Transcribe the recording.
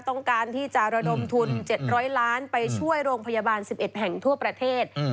ต้องการที่จะระดมทุน๗๐๐ล้านไปช่วยโรงพยาบาล๑๑แห่งทั่วประเทศ